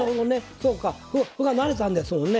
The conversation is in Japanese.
そうか歩が成れたんですもんね。